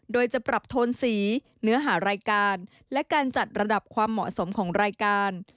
โดยจะปรับโทนสีเนื้อหารายการและการจัดระดับความเหมาะสมของรายการ